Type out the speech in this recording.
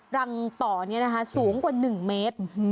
รังต่อนี้นะคะสูงกว่า๑เมตร